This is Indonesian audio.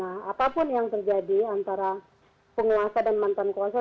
nah apapun yang terjadi antara penguasa dan mantan kuasa